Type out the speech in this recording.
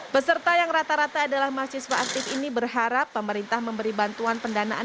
peserta yang rata rata adalah mahasiswa aktif ini berharap pemerintah memberi bantuan pendanaan